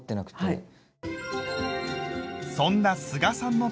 はい。